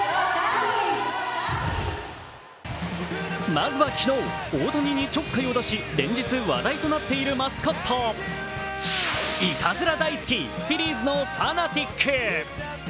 まずは昨日、大谷にちょっかいを出し連日、話題となっているマスコットいたずら大好き、フィリーズのファナティック。